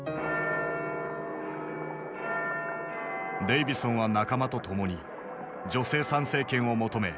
デイヴィソンは仲間と共に女性参政権を求め